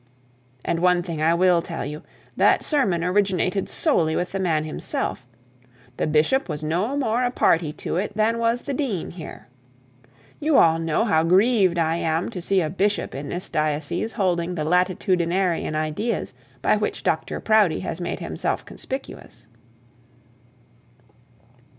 And one thing I will tell you: that sermon originated solely with the man himself. The bishop was no more a party to it than was the dean here. You all know how grieved I am to see a bishop in this diocese holding the latitudinarian ideas by which Dr Proudie has made himself conspicuous.